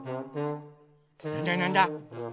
なんだなんだ？